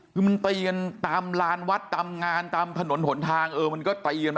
คือมันตีกันตามลานวัดตามงานตามถนนหนทางเออมันก็ตีกันไป